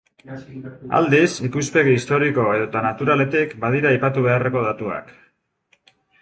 Aldiz, ikuspegi historiko edota naturaletik badira aipatu beharreko datuak.